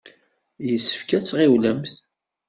Yessefk ad tɣiwlem.